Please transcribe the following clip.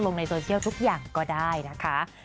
ในโซเชียลทุกอย่างก็ได้นะคะ